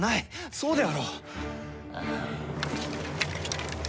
そうであろう？